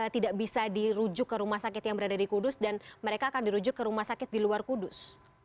tidak bisa dirujuk ke rumah sakit yang berada di kudus dan mereka akan dirujuk ke rumah sakit di luar kudus